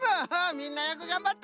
みんなよくがんばった！